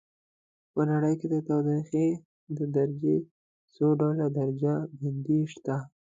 په نړۍ کې د تودوخې د درجې څو ډول درجه بندي شته.